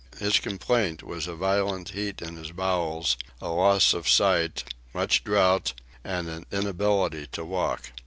His complaint was a violent heat in his bowels, a loss of sight, much drought, and an inability to walk.